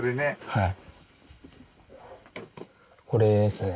はい。